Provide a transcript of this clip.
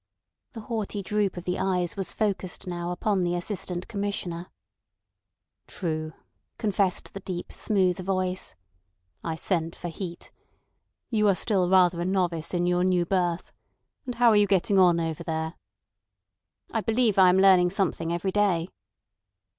The haughty droop of the eyes was focussed now upon the Assistant Commissioner. "True," confessed the deep, smooth voice. "I sent for Heat. You are still rather a novice in your new berth. And how are you getting on over there?" "I believe I am learning something every day."